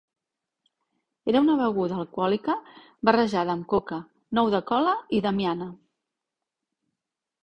Era una beguda alcohòlica barrejada amb coca, nou de cola i damiana.